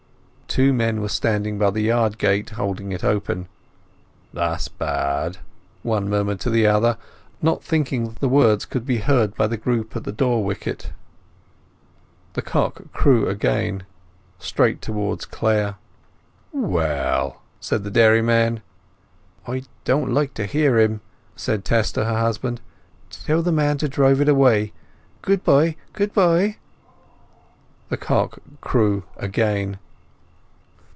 Two men were standing by the yard gate, holding it open. "That's bad," one murmured to the other, not thinking that the words could be heard by the group at the door wicket. The cock crew again—straight towards Clare. "Well!" said the dairyman. "I don't like to hear him!" said Tess to her husband. "Tell the man to drive on. Goodbye, goodbye!" The cock crew again.